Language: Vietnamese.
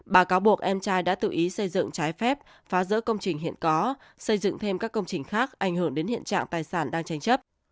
bà cáo buộc em trai đã tự ý xây dựng trái phép phá rỡ công trình hiện có xây dựng thêm các công trình khác ảnh hưởng đến hiện trạng tài sản đang tranh chấp